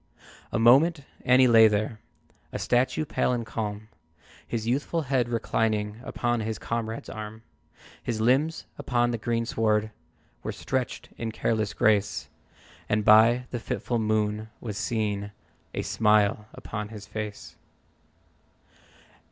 A moment, and he lay there A statue, pale and calm. His youthful head reclining Upon his comrade's arm. His limbs upon the greensward Were stretched in careless grace, And by the fitful moon was seen A smile upon his face.